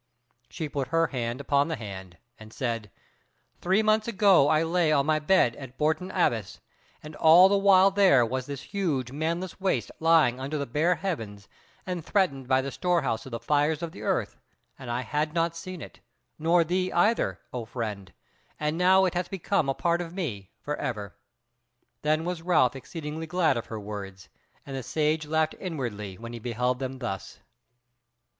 She put her hand upon the hand and said: "Three months ago I lay on my bed at Bourton Abbas, and all the while here was this huge manless waste lying under the bare heavens and threatened by the storehouse of the fires of the earth: and I had not seen it, nor thee either, O friend; and now it hath become a part of me for ever." Then was Ralph exceeding glad of her words, and the Sage laughed inwardly when he beheld them thus.